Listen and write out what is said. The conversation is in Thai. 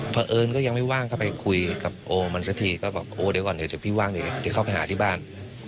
เพราะเอิญก็ยังไม่ว่างเข้าไปคุยกับโอมันสักทีก็บอกโอเดี๋ยวก่อนเดี๋ยวพี่ว่างเดี๋ยวเข้าไปหาที่บ้าน